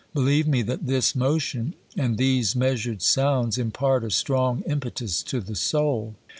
Believe me that this motion and these measured sounds impart a strong impetus to the soul